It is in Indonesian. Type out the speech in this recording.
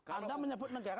anda menyebut negara